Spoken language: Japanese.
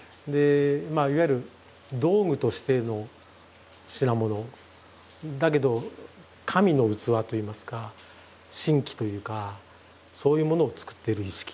まあいわゆる道具としての品物だけど神の器といいますか神器というかそういうものをつくってる意識。